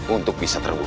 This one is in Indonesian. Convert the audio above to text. untuk bisa terwujud